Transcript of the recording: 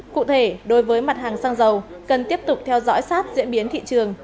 cụ thể đối với mặt hàng xăng dầu cần tiếp tục theo dõi sát diễn biến thị trường